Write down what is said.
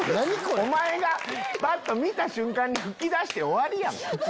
お前がバッと見た瞬間に噴き出して終わりやん普通。